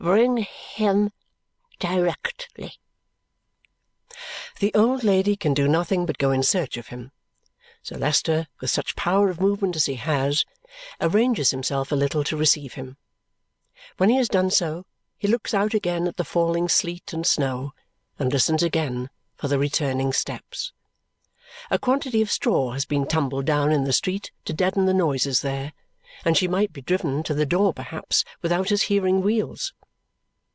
Bring him directly." The old lady can do nothing but go in search of him. Sir Leicester, with such power of movement as he has, arranges himself a little to receive him. When he has done so, he looks out again at the falling sleet and snow and listens again for the returning steps. A quantity of straw has been tumbled down in the street to deaden the noises there, and she might be driven to the door perhaps without his hearing wheels.